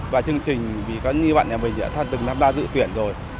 và chương trình vì các bạn nhà mình đã từng tham gia dự tuyển rồi